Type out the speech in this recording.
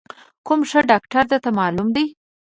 کوم ښه ډاکتر درته معلوم دی؟